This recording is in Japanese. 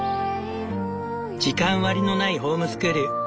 時間割りのないホームスクール。